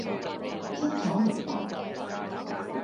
清楚明白